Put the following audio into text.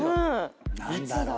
何だろう？